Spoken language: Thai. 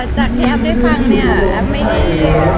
จากที่แอฟได้ฟังเนี่ยแอฟไม่ได้